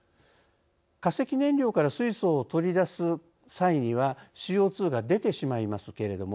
化石燃料から水素を取り出す際にはＣＯ２が出てしまいますけれども。